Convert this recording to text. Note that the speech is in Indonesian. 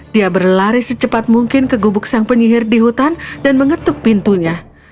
dia berlari secepat mungkin ke gubuk sang penyihir di hutan dan mengetuk pintunya